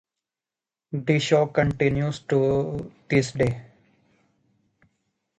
The show continues to this day.